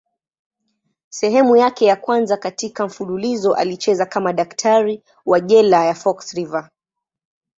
Sehemu yake ya kwanza katika mfululizo alicheza kama daktari wa jela ya Fox River.